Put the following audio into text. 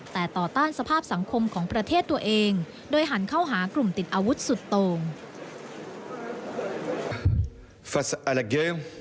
แต่ต่อต้านสภาพสังคมของประเทศตัวเองโดยหันเข้าหากลุ่มติดอาวุธสุดตรง